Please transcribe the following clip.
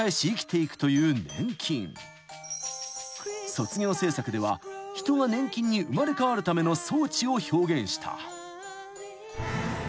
［卒業制作では人が粘菌に生まれ変わるための装置を表現した］